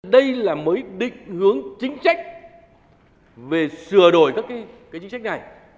đây là mấy định hướng chính sách về sửa đổi các cái chính sách này